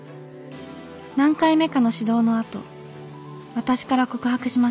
何回目かの指導のあと私から告白しました。